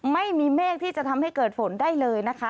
ไม่มีเมฆที่จะทำให้เกิดฝนได้เลยนะคะ